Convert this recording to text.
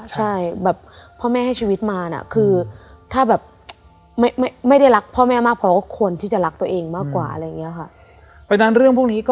ใช่แบบ